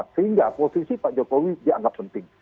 sehingga posisi pak jokowi dianggap penting